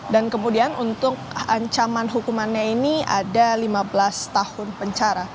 dan kemudian untuk ancaman hukumannya ini ada lima belas tahun pencara